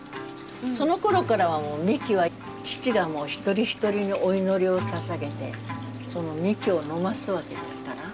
そのころからはみきは父がもう一人一人にお祈りをささげてみきを飲ますわけですから。